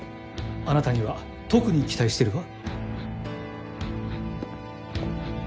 あなたには特に期待してるわ。